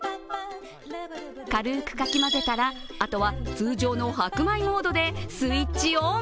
軽くかき混ぜたら、あとは通常の白米モードでスイッチオン。